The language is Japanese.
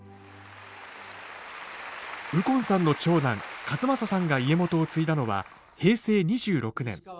右近さんの長男千雅さんが家元を継いだのは平成２６年。